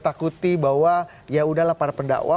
takuti bahwa ya udahlah para pendakwah